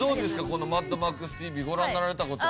この『マッドマックスＴＶ』ご覧になられた事は？